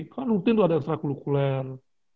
kan rutin tuh ada ekstra kuluh kuler